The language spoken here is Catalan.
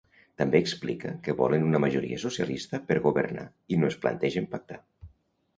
També explica que volen una majoria socialista per governar i no es plantegen pactar.